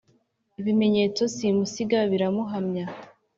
ibimenyetso simusiga. biramuhamya